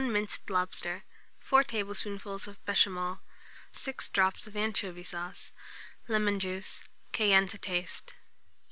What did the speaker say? Minced lobster, 4 tablespoonfuls of béchamel, 6 drops of anchovy sauce, lemon juice, cayenne to taste.